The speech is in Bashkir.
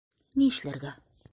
— Ни эшләргә?